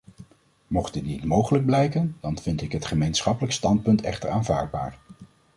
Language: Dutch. Mocht dit niet mogelijk blijken, dan vind ik het gemeenschappelijk standpunt echter aanvaardbaar.